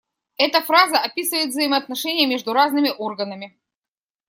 Эта фраза описывает взаимоотношения между разными органами.